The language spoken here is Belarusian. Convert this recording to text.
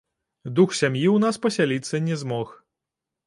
Дух сям'і ў нас пасяліцца не змог.